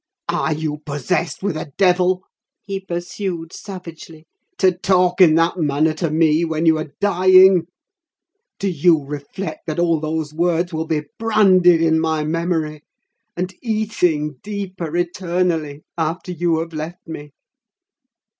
"Are you possessed with a devil," he pursued, savagely, "to talk in that manner to me when you are dying? Do you reflect that all those words will be branded in my memory, and eating deeper eternally after you have left me?